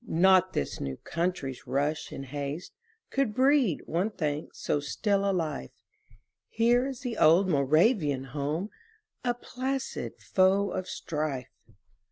Not this new country's rush and haste Could breed, one thinks, so still a life; Here is the old Moravian home, A placid foe of strife.